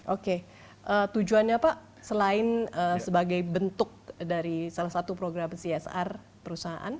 oke tujuannya pak selain sebagai bentuk dari salah satu program csr perusahaan